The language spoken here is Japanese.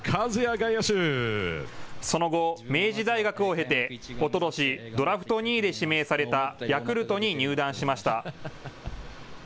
その後、明治大学を経ておととしドラフト２位で指名されたヤクルトに入団しました。